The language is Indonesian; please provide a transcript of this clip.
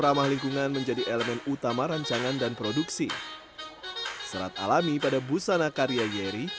ramah lingkungan menjadi elemen utama rancangan dan produksi serat alami pada busana karya yeri